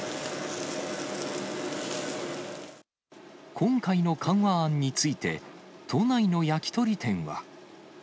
今回の緩和案について、都内の焼き鳥店は。